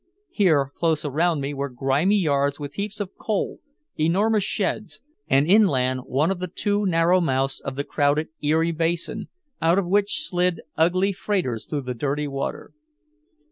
Here close around me were grimy yards with heaps of coal, enormous sheds, and inland one of the two narrow mouths of the crowded Erie Basin, out of which slid ugly freighters through the dirty water.